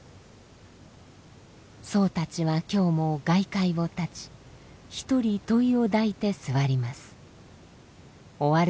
僧たちは今日も外界を絶ち一人問いを抱いて坐ります。